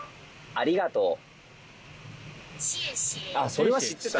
それは知ってた。